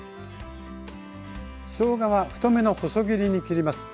しょうがは太めの細切りに切ります。